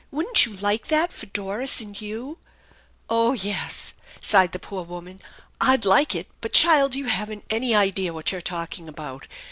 Wouldn't you like that, for Doris and you ?" "Oh, yes," sighed the poor woman; "I'd like it; but, child, you haven't an idea what you are talking about.